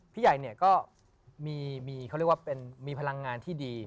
พี่ใหญ่ก็มีพลังงานที่ดี